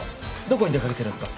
どこに出掛けてるんすか？